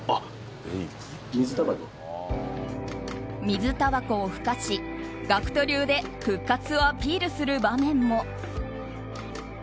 水たばこをふかしＧＡＣＫＴ流で復活をアピールする場面も。